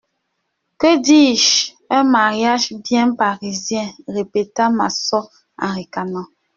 Que dis-je, un mariage bien parisien ! répéta Massot en ricanant.